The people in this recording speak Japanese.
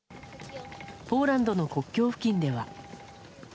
ポーランドの国境付近では。